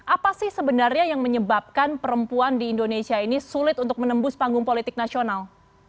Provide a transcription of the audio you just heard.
apa sih sebenarnya yang menyebabkan perempuan di indonesia ini sulit untuk menembus panggung politik nasional